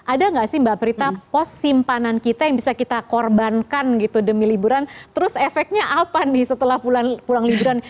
ada nggak sih mbak prita pos simpanan kita yang bisa kita korbankan gitu demi liburan terus efeknya apa nih setelah pulang liburan